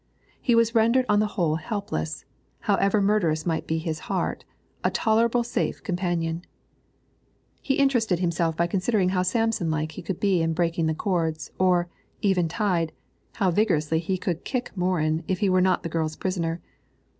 He was rendered on the whole helpless; however murderous might be his heart, a tolerably safe companion. He interested himself by considering how Samson like he could be in breaking the cords, or, even tied, how vigorously he could kick Morin, if he were not a girl's prisoner.